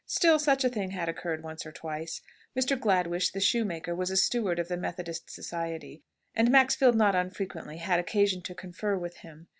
Still such a thing had occurred once or twice. Mr. Gladwish, the shoemaker, was a steward of the Methodist society, and Maxfield not unfrequently had occasion to confer with him.